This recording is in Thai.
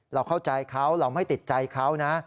เราเข้าใจเขาเราไม่ติดใจเขานะ